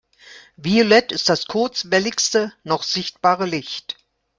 Violett ist das kurzwelligste noch sichtbare Licht.